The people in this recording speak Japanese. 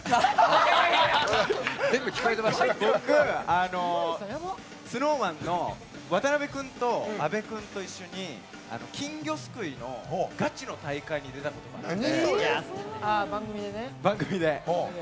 僕ＳｎｏｗＭａｎの渡辺君と阿部君と一緒に金魚すくいのガチの大会に出たことがあって、番組で。